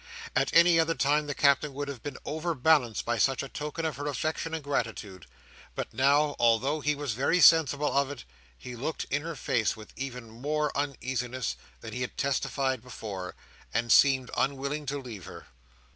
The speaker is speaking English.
At any other time the Captain would have been overbalanced by such a token of her affection and gratitude; but now, although he was very sensible of it, he looked in her face with even more uneasiness than he had testified before, and seemed unwilling to leave her.